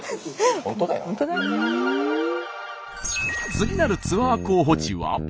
次なるツアー候補地は？